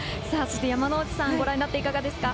山之内さん、ご覧になっていかがですか？